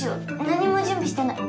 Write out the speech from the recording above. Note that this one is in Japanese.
何も準備してない。